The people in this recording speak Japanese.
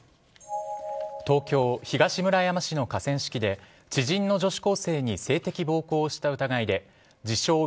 東京・東村山市の河川敷で知人の女子高生に性的暴行をした疑いで自称